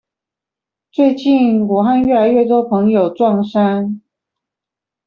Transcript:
最近，我和越來越多朋友撞衫